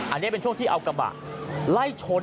อันนี้เป็นช่วงที่เอากระบะไล่ชน